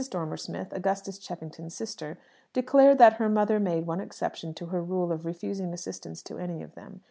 Dormer Smith, Augustus Cheffington's sister, declared that her mother made one exception to her rule of refusing assistance to any of them.